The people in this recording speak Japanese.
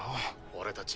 俺たち。